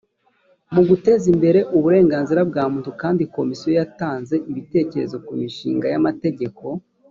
mu guteza imbere uburenganzira bwa muntu kandi komisiyo yatanze ibitekerezo ku mishinga y amategeko